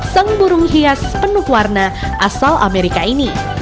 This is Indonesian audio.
sang burung hias penuh warna asal amerika ini